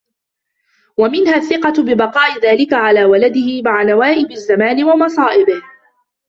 وَمِنْهَا الثِّقَةُ بِبَقَاءِ ذَلِكَ عَلَى وَلَدِهِ مَعَ نَوَائِبِ الزَّمَانِ وَمَصَائِبِهِ